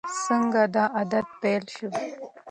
څنګه دا عادت پیل شو؟